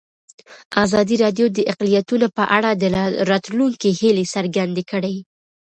ازادي راډیو د اقلیتونه په اړه د راتلونکي هیلې څرګندې کړې.